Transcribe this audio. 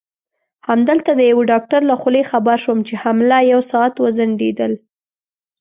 همدلته د یوه ډاکټر له خولې خبر شوم چې حمله یو ساعت وځنډېدل.